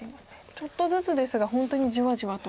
ちょっとずつですが本当にじわじわと。